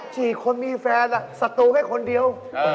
ชีสคนมีแฟนอะสตูแค่คนเดียว